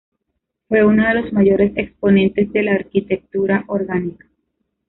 Fue uno de los mayores exponentes de la arquitectura orgánica.